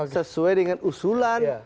sesuai dengan usulan